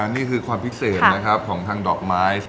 นี่คือความพิเศษนะครับของทางดอกไม้